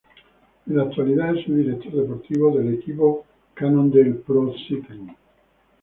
En la actualidad es el director deportivo del equipo Cannondale Pro Cycling.